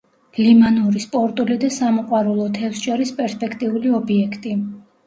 ლიმანური, სპორტული და სამოყვარულო თევზჭერის პერსპექტიული ობიექტი.